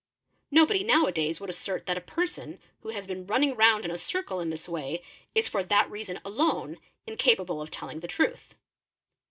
Nobody nov w a days would assert that a person who has been running round in a sircle in this way is for that reason alone incapable of telling the truth.